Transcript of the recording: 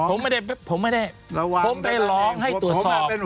ผมไม่ได้ผมไม่ได้ผมไปร้องให้ตรวจสอบ